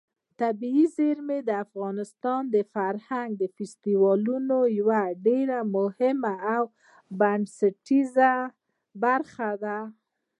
طبیعي زیرمې د افغانستان د فرهنګي فستیوالونو یوه ډېره مهمه او بنسټیزه برخه ده.